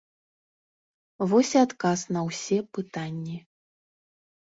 Вось, і адказ на ўсе пытанні.